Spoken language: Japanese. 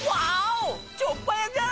チョッ早じゃん！